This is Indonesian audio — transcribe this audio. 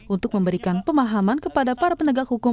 untuk memberikan pemahaman kepada para penegak hukum